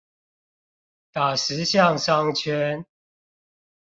打石巷商圈